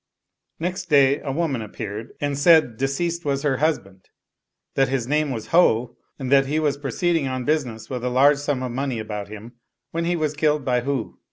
Next day a woman appeared, and said deceased was her husband; that his name was Ho, and that he was proceeding on business with a large sum of money about him when he was killed by Hu.